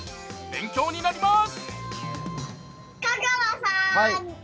勉強になります。